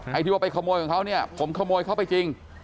ตัวที่กินของเค้าผมขโมยเข้าไปจริง